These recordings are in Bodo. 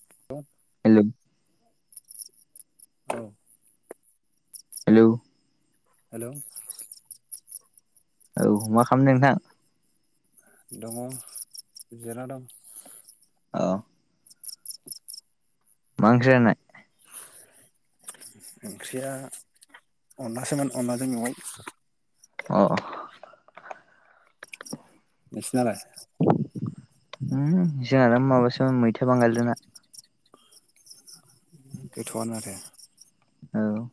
[unintelligible] हेल'। औ। हेलौ। हेल'। औ मा खालामदों नोंथां? दङ, जिरायना दं। अ'। मा ओंख्रि जानाय? ओंख्रिया अनलासोमोन अनलाजों मेवाय। अ अ। नोंसिनालाय? जोंनालाय माबासोमोन मैथा बांगालजों ना। गोथ'आनो माथो। औ।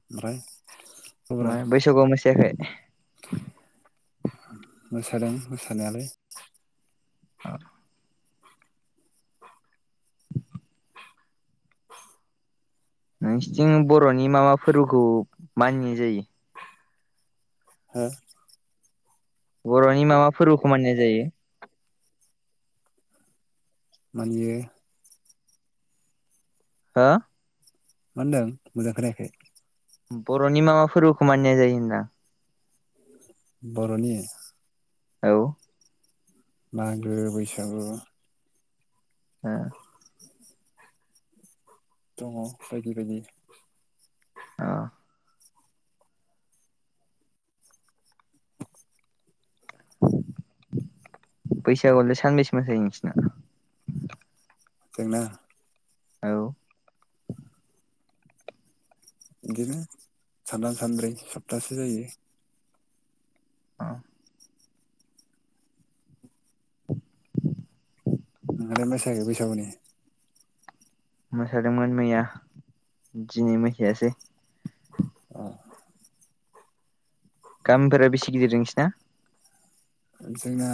ओमफ्राय? खबरा मा बैसागुआव मोसायाखै? मोसादों मोसानायालाय। ओ नोंसिनिथिं बर'नि मा मा फोरबोखौ मानिनाय जायो? हो बर'नि मा मा फोरबोखौ मानिनाय जायो? मानियो हो मा होनदों मोजां खोनायाखै बर'नि मा मा फोरबोखौ मानिनाय जायो होनदां बर'नि औ मागो, बैसागु ओ दङ बायदि बायदि अ बैसागोआव‌लाय सानबैसे मोसायो नोंसोरना? जोंना औ बिदिनो सानथाम सानब्रै सप्तासे जायो। अ नोंहालाय मोसायाखै बैसागुनि? मोसादोंमोन मैया दिनै मैसायासै। अ गामिफोरा बिसि गिदिर नोंसिना? जोंना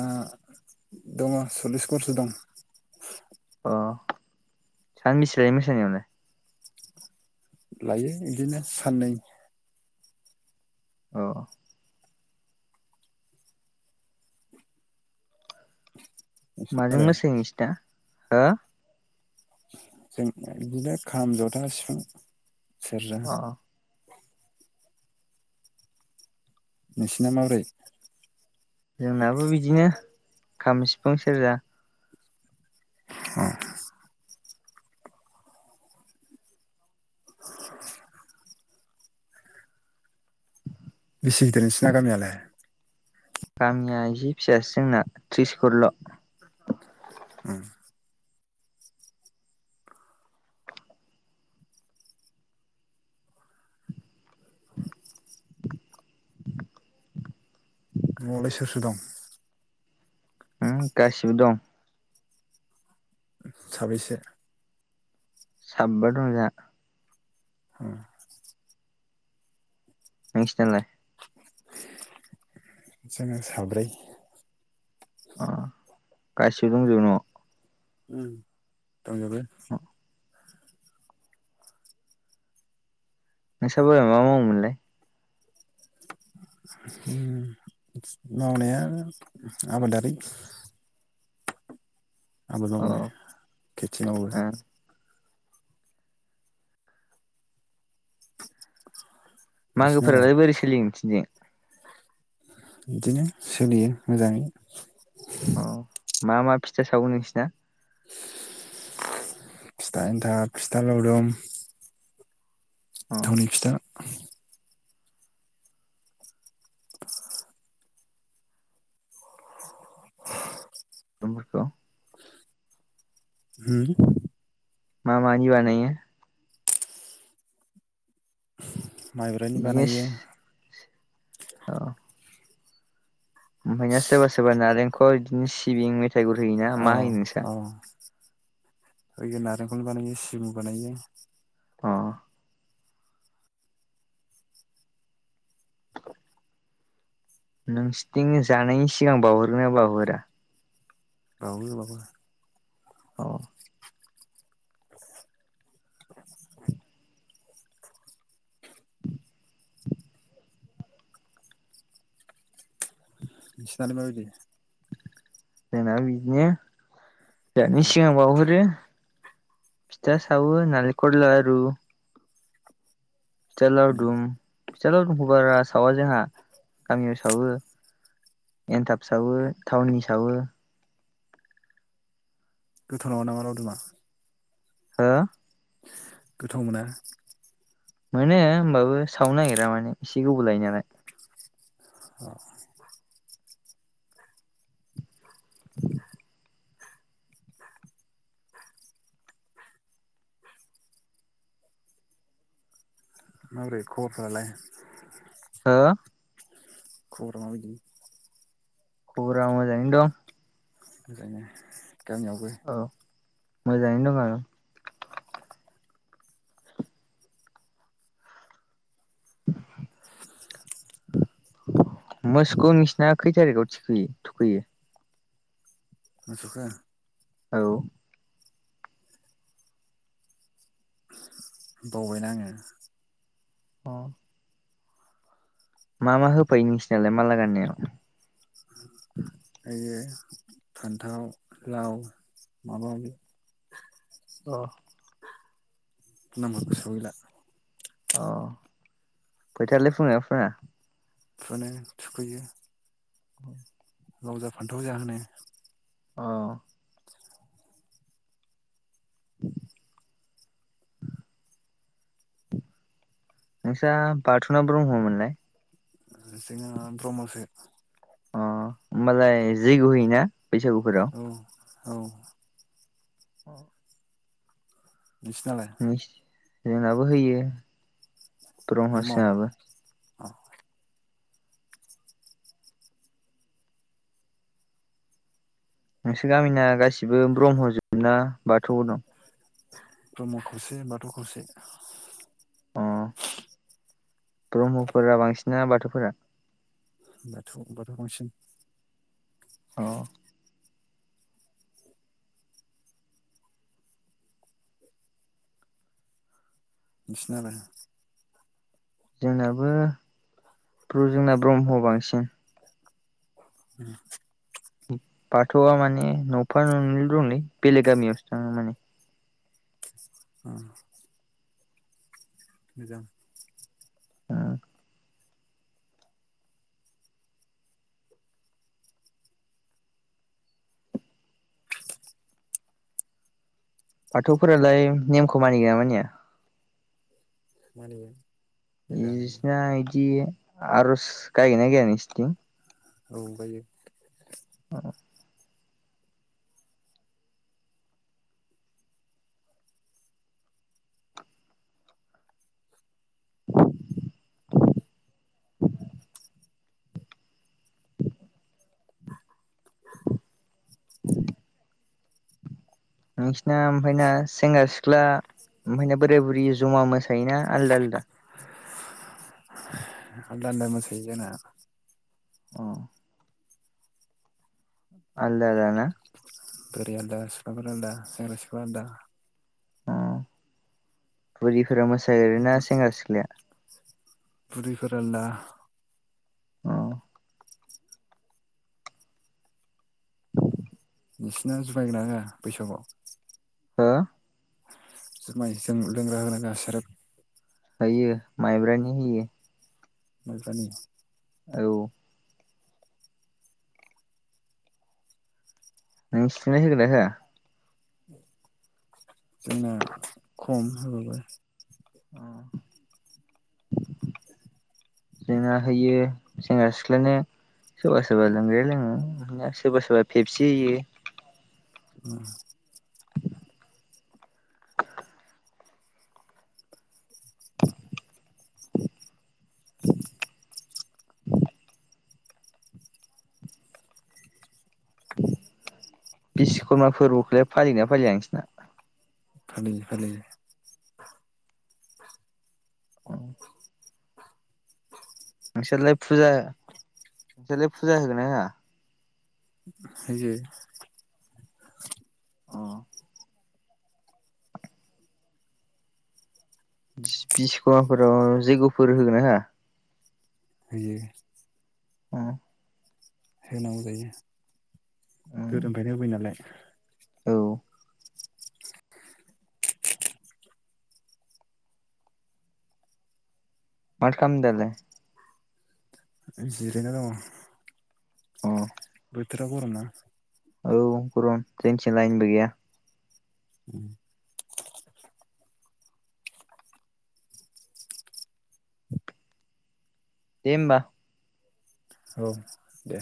दङ सल्लिस घरसो दं। अ सानबोसे लायो मोसानायावलाय? लायो इदिनो साननै औ माजों जाबाय मोसायो नोंसोरना हो? जोंना बिदिनो खाम, जथा, सिफुं, सेर्जा अ नोंसिना माबोरै? जोंनाबो बिदिनो खाम, सिफुं, सेर्जा अ बिसि गिदिर नोंसोरना गामियालाय? गामिया इसे फिसासो जोंना त्रिस घरल' उम [inaudible] न'वावलाय सोर सोर दं? हो गासिबो दं। साबैसे? साबबा दं जाहा [inaudible] नोंसिनालाय? जोंना साब्रै अ गासिबो दंजोबो न'वाव उम दंजोबो? नोंसा बाबाया मा मावोमोनलाय? उम मावनाया आबादारि आबाद अ मावो ओ खेथि मावो- [inaudible] मागोफोरालाय बोरै सोलियो नोंसोरनिथिंजाय बिदिनो सोलियो मोजाङै। अ मा मा फिथा सावो नोंसिना? फिथा एन्था फिथा लावदुम। अ थावनि फिथा। [unintelligible] होम। मा मानि बानायो? माइब्रनि बानायो। औ। ओमफ्राय ना सोरबा सोरबा नारेंखल बिदिनो सिबिं मेथाइ गुर होयोना। अ मा होयो नोंसा? ओयो नारेंखलनि बानायो सिबिं बानायो। अ। नोंसोरथिं जानायनि सिगां बावहरगोन ना बावहरा? बावो बावो। अ [inaudible] नोंसिनालाय माबायदि। जोंनाबो बिदिनो दानि अ सिगां बावहरो। फिथा सावो नालेखर लारु। फिथा उम लावदुम फिथा लावदुमखौ बारा सावा जोंहा गामियाव सावो। एन्थाब सावो थावनि सावो। गोथाव नङा नामा लावदुमा। हो। गोथाव मोना। मोनो होनोमबाबो सावनो नागिरा माने एसे गोबाव लायो नालाय। अ। माब्रै खबरफ्रा लाय। [inaudible] हो। खबरा माबायदि। खबरा मोजाङैनो दङ। [unintelligible] गामियावबो। औ मोजाङैनो दङ' आङो। [inaudible] मोसौखौ नोंसिना खैटारिखआव थुखैयो? मोसौखो। औ? बावबायना आंओ। अ। मा मा होफैयो नोंसिनालाय माला गाननायाव। [inaudible] होयो फान्थाव लाव माबा माबि। अ। नामा गोसोआव गैला। अ फैथायालै फुनोना फुना। फुनो थुखैयो। अ। लावजा फान्थाव जाहोनो। अ। [inaudible] नोंसा बाथुना ब्रह्ममोनलाय। जोंहा ब्रह्मसो। अ होमबालाय जैग्य' होयोना बैसागु फोराव? औ औ अ नोंसिनालाय? जोंनाबो होयो। ब्रह्म बह्म जोंहाबो अ नोंसोर गामिना गासिबो ब्रह्म जोब ना बाथौबो दं? ब्रह्म खावसे बाथौ खावसे। ओम ब्रह्मफोरा बांसिन ना बाथौफोरा? बाथौ बाथौ बांसिन। अ नोंसिनालाय? जोंनाबो जोंना ब्रह्म बांसिन। [inaudible] बाथौआ माने न'फा न'नै दंलै बेलेग गामियावसो थाङो माने। अ मोजां ओं बाथौफोरालाय नेमखौ मानिगोन ना मानिया? मानियो। मोजाङैनो इसिना बिदि आर'ज गायो ना गाया नोंसोरथिं? औ गायो। औ [inaudible] [inaudible] नोंसिना ओमफ्रायना सेंग्रा सिख्ला ओमफ्रायना बोराय बुरै जमा मोसा आलादा मोसायो जोंना। अ आलदा आलदा ना। बोराय आलदा सिख्लाफोर आलदा सेंग्रा सिख्लाफोर आलदा। अ बुरिफोरा मोसायोना सेंग्रा सिख्लाया? बुरिफोर आलदा। ओं नोंसिना जुमाय होयोना होआ बैसागोआव? हो जुमाय जों लोंग्रा होयोना होआ सेरेब? हायो माइब्रानि होयो माइब्रानि औ नों सुनै होगोन ना होआ जोंना खम होबाबो औ जोंना होयो सेंग्रा सिख्लानो सोरबा सोरबा लोंग्राया लोङो सोरबा सोरबा पेबसि होयो उम बिस'कर्मा फोरबोखौलाय फालियोना फालिया नोंसोरना फालियो फालियो नोंसोरलाय फुजा नोंसोरलाय फुजा होगोन ना होआ? होयो अ बिसिखफोराव जैग'फोर होगोन ना होआ? होयो। आ होनांगौ जायो उम, गोदोनिफ्रायनो होबाय नालाय। औ। माथो खामदों दालाय? जिरायना दङ अ बोथोरा गरम ना। औ गरम जोंनिथिं लायनबो गैया। [inaudible] दे होमबा। औ दे।